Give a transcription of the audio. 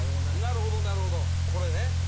なるほどなるほどこれね。